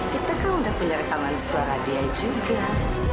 kita kan udah punya rekaman suara dia juga